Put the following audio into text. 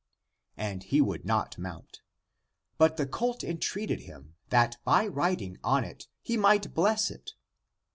And he would not mount. But the coh entreated him that by riding on it he might bless it.